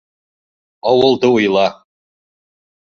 Ауылды уйла!